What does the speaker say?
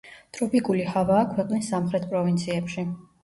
ტროპიკული ჰავაა ქვეყნის სამხრეთ პროვინციებში.